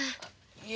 いえ。